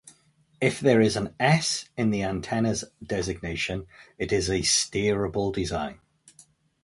If there is an "S" in the antenna's designation, it is a steerable design.